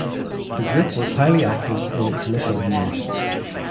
The group was highly active in its initial years.